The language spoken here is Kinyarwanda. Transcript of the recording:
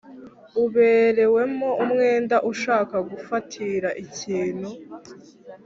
Uberewemo umwenda ushaka gufatira ikintu